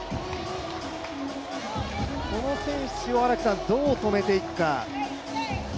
この選手をどう止めていくか。